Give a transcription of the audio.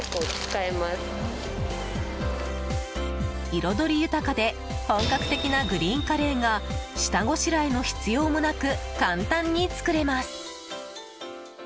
彩り豊かで本格的なグリーンカレーが下ごしらえの必要もなく簡単に作れます。